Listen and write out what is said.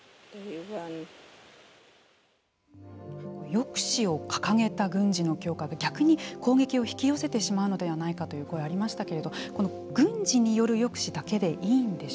抑止を掲げた軍事の強化で逆に攻撃を引き寄せてしまうのではないかという声がありましたけれどもこの軍事による抑止だけでいえ